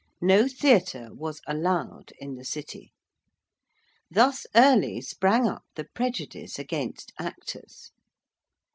No theatre was allowed in the City. Thus early sprang up the prejudice against actors.